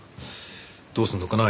どうすんのかな？